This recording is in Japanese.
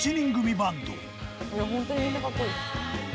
ホントにみんなかっこいい。